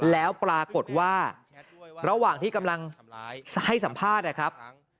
แล้วปรากฏว่าระหว่างที่กำลังให้สัมภาษณ์นะครับ